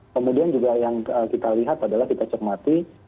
kemudian juga yang kita lihat adalah kita cermati